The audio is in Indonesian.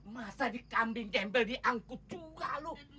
masa dikambing diambil diangkut juga lu